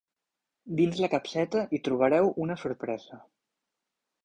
Dins la capseta, hi trobareu una sorpresa.